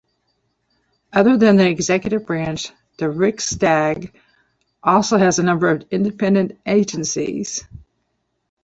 Other than the executive branch, the Riksdag also has a number of independent agencies.